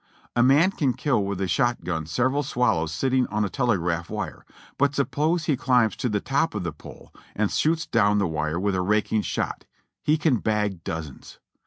A man can kill with a shot gun several swallows sitting on a telegraph wire, but suppose he climbs to the top of the pole and shoots down the W'ire with a raking shot, he can bag dozens.